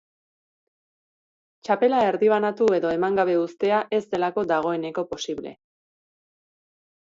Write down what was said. Txapela erdibanatu edo eman gabe uztea ez delako dagoeneko posible.